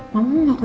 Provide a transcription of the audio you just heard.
gabung gue aja pak